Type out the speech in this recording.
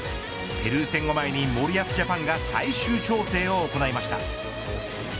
ペルー戦を前に森保ジャパンが最終調整を行いました。